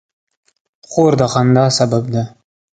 خور د خندا سبب ده.